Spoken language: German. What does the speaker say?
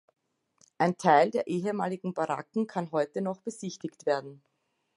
Ein Teil der ehemaligen Baracken kann heute noch besichtigt werden.